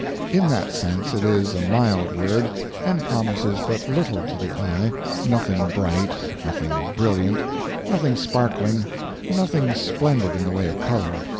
In that sense it is a mild word, and promises but little to the eye nothing bright, nothing brilliant, nothing sparkling, nothing splendid in the way of color.